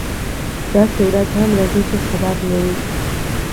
داسې ورځ هم راځي چې خبر نه وي.